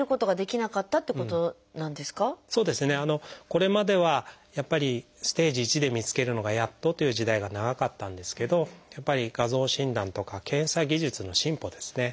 これまではやっぱりステージⅠで見つけるのがやっとという時代が長かったんですけどやっぱり画像診断とか検査技術の進歩ですね